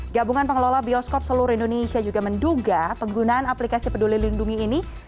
gabungan pengelola bioskop seluruh indonesia juga menduga penggunaan aplikasi peduli lindungi ini